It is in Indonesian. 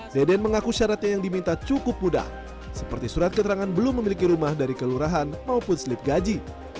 deden mengaku syaratnya yang diminta cukup mudah seperti surat keterangan belum memiliki rumah dari kelurahan maupun slip gaji